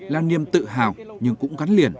lan niêm tự hào nhưng cũng gắn liền